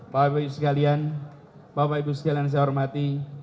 bapak ibu sekalian bapak ibu sekalian yang saya hormati